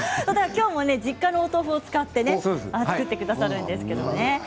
今日も実家のお豆腐を使って作ってくださるんですけれどもね。